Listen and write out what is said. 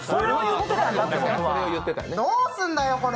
どうすんだよ、これ！